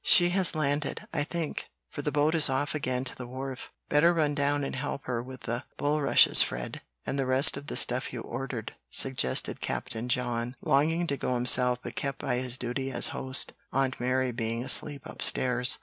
"She has landed, I think, for the boat is off again to the wharf. Better run down and help her with the bulrushes, Fred, and the rest of the stuff you ordered," suggested Captain John, longing to go himself but kept by his duty as host, Aunt Mary being asleep upstairs.